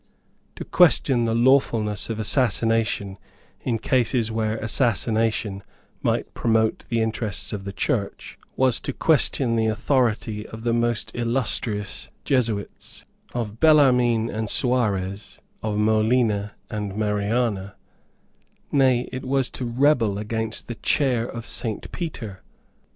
To question the lawfulness of assassination, in cases where assassination might promote the interests of the Church, was to question the authority of the most illustrious Jesuits, of Bellarmine and Suarez, of Molina and Mariana; nay, it was to rebel against the Chair of Saint Peter.